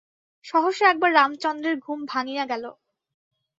সহসা একবার রামচন্দ্রের ঘুম ভাঙিয়া গেল।